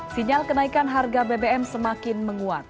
sinyal kenaikan harga bbm semakin menguat